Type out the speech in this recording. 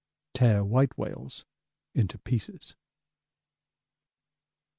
Tear white whales into pieces.